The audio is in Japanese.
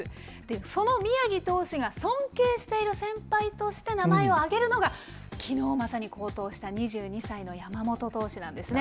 その宮城投手が尊敬している先輩として名前を挙げるのが、きのう、まさに好投した２２歳の山本投手なんですね。